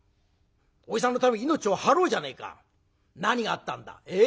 おじさんのために命を張ろうじゃねえか。何があったんだ？え？